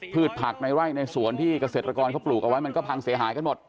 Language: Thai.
ผักในไร่ในสวนที่เกษตรกรเขาปลูกเอาไว้มันก็พังเสียหายกันหมด